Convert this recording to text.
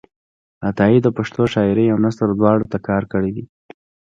عطایي د پښتو شاعرۍ او نثر دواړو ته کار کړی دی.